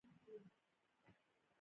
يو څه پيسې په پور غواړم